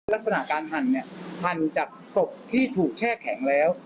ลักษณะการหั่นเนี่ยหั่นจากศพที่ถูกแช่แข็งแล้ว